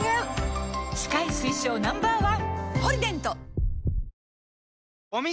歯科医推奨 Ｎｏ．１！